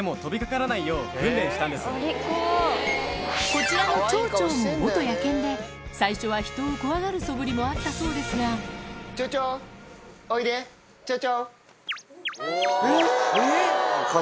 こちらのチョウチョウも野犬で最初は人を怖がるそぶりもあったそうですがチョウチョウ。